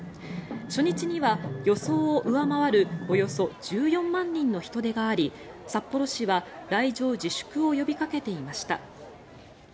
初日には予想を上回るおよそ１４万人の人出があり札幌市は来場自粛を呼びかけていました。